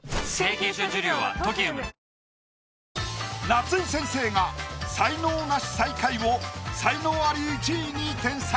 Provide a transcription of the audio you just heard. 夏井先生が才能ナシ最下位を才能アリ１位に添削。